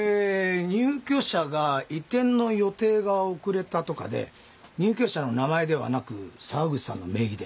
入居者が移転の予定が遅れたとかで入居者の名前ではなく沢口さんの名義で。